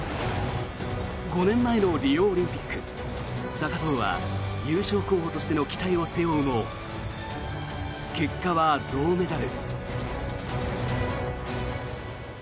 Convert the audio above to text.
５年前のリオオリンピック高藤は優勝候補としての期待を背負うも結果は銅メダル。